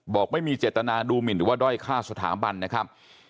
บอกไม่มีเจตนาดูหมินหรือว่าด้อยค่าสถาบันนะครับ